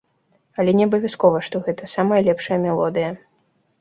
Але не абавязкова, што гэта самая лепшая мелодыя.